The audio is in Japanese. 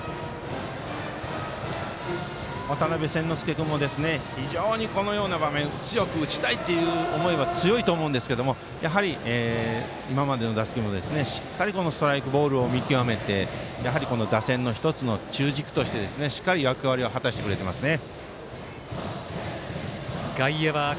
君も非常にこのような場面強く打ちたいという思いは強いと思うんですけど今までの打席もしっかりストライクボールを見極めてやはり打線の１つの中軸としてしっかり役割を果たしてくれてますね。